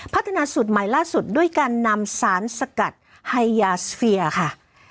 พัฒนาสูตรใหม่ล่าสุดด้วยการนำสารสกัดไฮยาสเฟียค่ะ